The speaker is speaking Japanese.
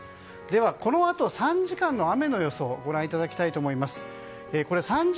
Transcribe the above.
ではこのあと３時間の雨の予想をご覧いただきたいと思います。